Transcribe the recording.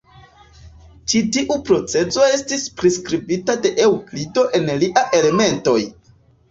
Ĉi tiu procezo estis priskribita de Eŭklido en lia "Elementoj".